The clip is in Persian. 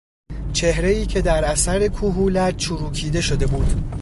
چهرهای که در اثر کهولت چروکیده شده بود